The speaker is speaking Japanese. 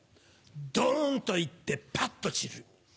ドンと行ってパッと散る。